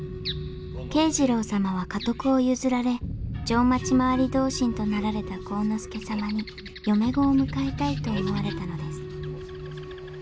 慶次郎様は家督を譲られ定町廻り同心となられた晃之助様に嫁御を迎えたいと思われたのです。